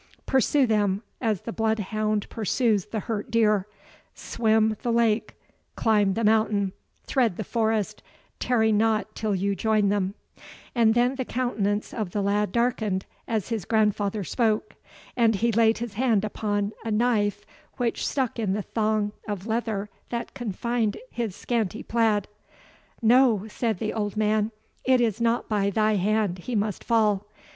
Pursue them as the bloodhound pursues the hurt deer swim the lake climb the mountain thread the forest tarry not until you join them;" and then the countenance of the lad darkened as his grandfather spoke, and he laid his hand upon a knife which stuck in the thong of leather that confined his scanty plaid. "No!" said the old man; "it is not by thy hand he must fall.